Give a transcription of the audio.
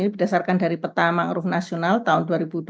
ini berdasarkan dari peta mangrove nasional tahun dua ribu dua puluh satu